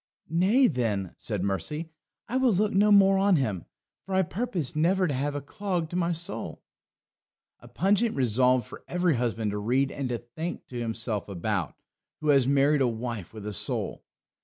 "Nay, then," said Mercy, "I will look no more on him, for I purpose never to have a clog to my soul." A pungent resolve for every husband to read and to think to himself about, who has married a wife with a soul.